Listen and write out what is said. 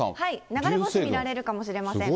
流れ星、見られるかもしれません。